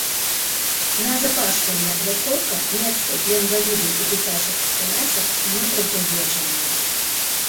Назапашвальная пляцоўка, месцы для інвалідаў і дзіцячых калясак не прадугледжаныя.